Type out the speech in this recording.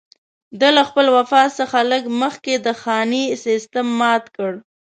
ده له خپل وفات څخه لږ مخکې د خاني سېسټم مات کړ.